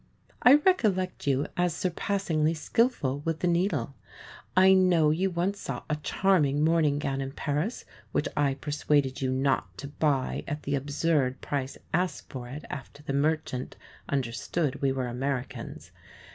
I recollect you as surpassingly skilful with the needle. I know you once saw a charming morning gown in Paris which I persuaded you not to buy at the absurd price asked for it, after the merchant understood we were Americans.